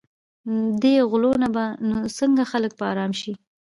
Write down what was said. دې غلو نه به نو څنګه خلک په آرام شي.